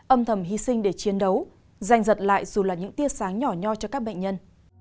âm thầm hy sinh để chiến đấu dành dật lại dù là những tiếng sáng nhỏ nho cho các bệnh nhân